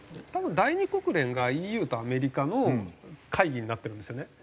多分第二国連がＥＵとアメリカの会議になってるんですよね。